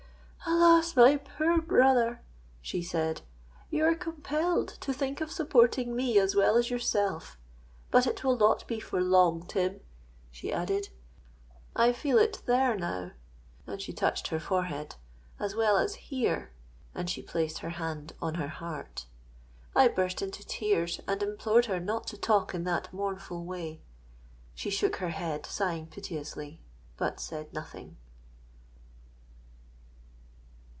'Alas! my poor brother,' she said, 'you are compelled to think of supporting me as well as yourself: but it will not be for long, Tim,' she added: 'I feel it there now,'—and she touched her forehead,—'as well as here,'—and she placed her hand on her heart.—I burst into tears, and implored her not to talk in that mournful way. She shook her head, sighing piteously—but said nothing.